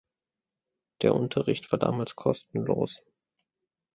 Der Unterricht war damals kostenlos.